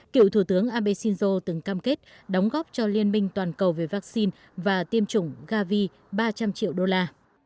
cựu thủ tướng abe shinzo từng cam kết đóng góp cho liên minh toàn cầu về vaccine và tiêm chủng gavi ba trăm linh triệu đô la